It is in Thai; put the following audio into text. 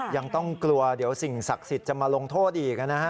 ยังต้องกลัวเดี๋ยวสิ่งศักดิ์สิทธิ์จะมาลงโทษอีกนะฮะ